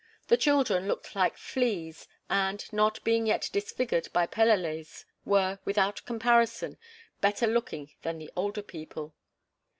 The children looked like fleas and, not being yet disfigured by "peleles," were, without comparison, better looking than the older people.